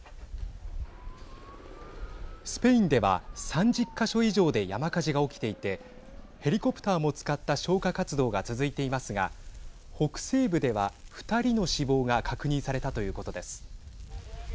スペインでは３０か所以上で山火事が起きていてヘリコプターも使った消火活動が続いていますが北西部では、２人の死亡が確認されたということです。